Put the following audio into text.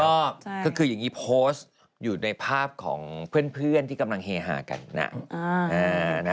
ก็คืออย่างนี้โพสต์อยู่ในภาพของเพื่อนที่กำลังเฮฮากันนะ